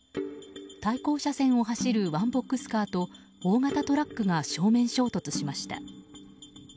対向車線を走るワンボックスカーと大型トラックが正面衝突しました。